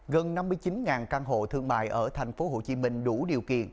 gần năm mươi chín căn hộ thương mại ở tp hcm đủ điều kiện